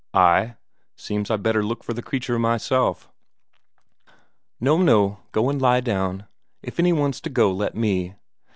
"I? Seems I'd better look for the creature myself." "No, no, go and lie down. If any one's to go, let me.